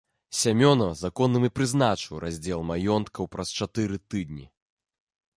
Сямёна законным і прызначыў раздзел маёнткаў праз чатыры тыдні.